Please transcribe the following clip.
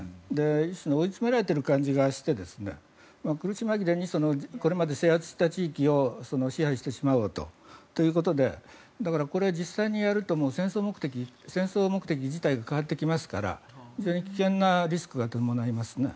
一種の追い詰められている感じがして苦し紛れにこれまで制圧した地域を支配してしまおうということでだからこれ、実際にやると戦争目的自体が変わってきますから危険なリスクが伴いますね。